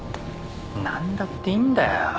何だっていいんだよ。